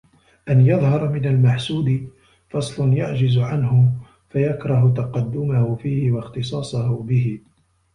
أَنْ يَظْهَرَ مِنْ الْمَحْسُودِ فَضْلٌ يَعْجِزُ عَنْهُ فَيَكْرَهُ تَقَدُّمَهُ فِيهِ وَاخْتِصَاصَهُ بِهِ